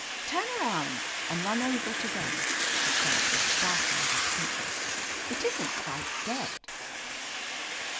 "Turn around and run over it again," she said, with startling distinctness. "It isn't quite dead."